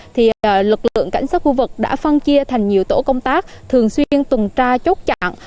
thì lực lượng cảnh sát khu vực đã phân chia thành nhiều tổ công tác thường xuyên tuần tra chốt chặn